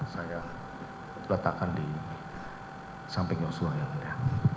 saya letakkan di samping yosua yang mulia